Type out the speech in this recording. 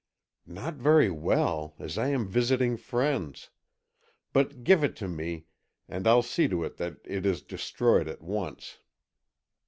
"Not very well, as I am visiting friends. But give it to me, and I'll see to it that it is destroyed at once."